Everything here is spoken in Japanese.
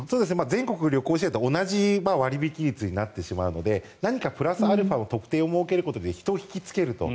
全国旅行支援と同じ割引率になってしまうので何かプラスアルファの特典を設けることで人を引きつけると。